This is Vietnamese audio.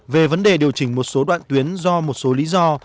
về vấn đề điều chỉnh một số đoạn tuyến do một số lý do